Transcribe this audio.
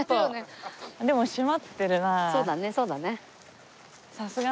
でも閉まってるなあ。